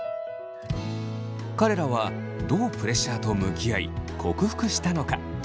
彼らはどうプレッシャーと向き合い克服したのか？